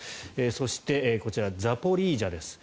そして、ザポリージャです。